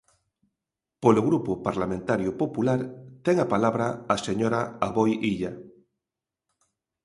Polo Grupo Parlamentario Popular, ten a palabra a señora Aboi Illa.